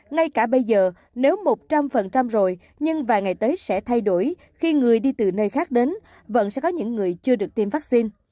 ngay cả bây giờ nếu một trăm linh rồi nhưng vài ngày tới sẽ thay đổi khi người đi từ nơi khác đến vẫn sẽ có những người chưa được tiêm vaccine